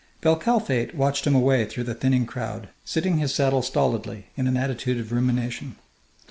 Bel Kalfate watched him away through the thinning crowd, sitting his saddle stolidly, in an attitude of rumination.